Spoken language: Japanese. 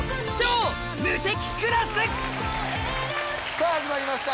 さぁ始まりました